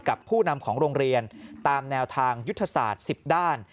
ผู้นำของโรงเรียนตามแนวทางยุทธศาสตร์๑๐ด้าน